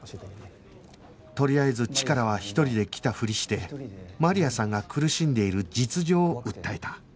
とりあえずチカラは一人で来たフリしてマリアさんが苦しんでいる実情を訴えた